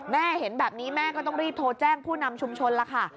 แม่เห็นแบบนี้แม่ก็ต้องรีบโทรแจ้งผู้นำชุมชนแล้วค่ะ